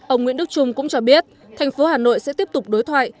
ông nguyễn đức trung cũng cho biết thành phố hà nội sẽ tiếp tục đối thoại